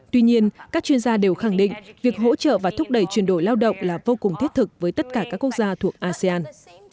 tuy nhiên các chuyên gia đều khẳng định việc hỗ trợ và thúc đẩy chuyển đổi lao động là vô cùng thiết thực với tất cả các quốc gia thuộc asean